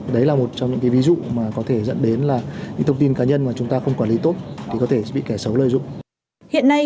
đấy là một trong những ví dụ mà có thể dẫn đến là những thông tin cá nhân mà chúng ta không quản lý tốt thì có thể bị kẻ xấu lợi dụng